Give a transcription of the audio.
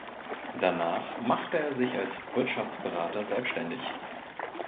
Danach machte er sich als Wirtschaftsberater selbstständig.